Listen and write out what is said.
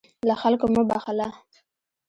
له خلکو مه بخله.